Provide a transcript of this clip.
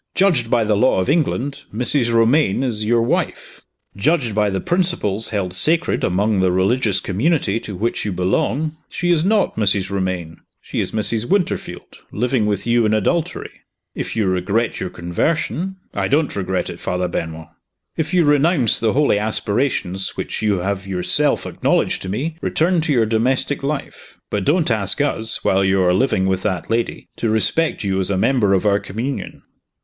Judged by the law of England, Mrs. Romayne is your wife. Judged by the principles held sacred among the religious community to which you belong, she is not Mrs. Romayne she is Mrs. Winterfield, living with you in adultery. If you regret your conversion " "I don't regret it, Father Benwell." "If you renounce the holy aspirations which you have yourself acknowledged to me, return to your domestic life. But don't ask us, while you are living with that lady, to respect you as a member of our communion."